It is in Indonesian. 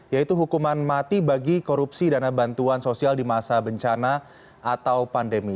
yaitu hukuman mati bagi korupsi dana bantuan sosial di masa bencana atau pandemi